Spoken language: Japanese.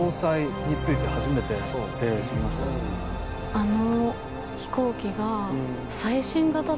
あの。